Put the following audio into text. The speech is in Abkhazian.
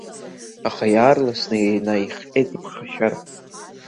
Аха иаарласны инаихҟьеит иԥхашьара.